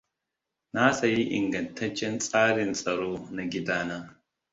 Na sayi ingantaccen tsarin tsaro na gidana.